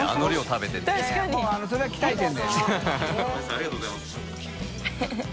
ありがとうございます。